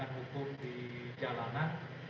soal penegakan hukum di jalanan